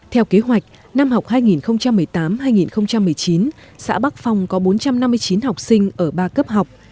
theo kế hoạch năm học hai nghìn một mươi tám hai nghìn một mươi chín xã bắc phong có bốn trăm năm mươi chín học sinh ở ba cấp học